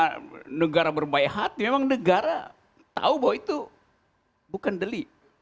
karena negara berbaik hati memang negara tahu bahwa itu bukan deli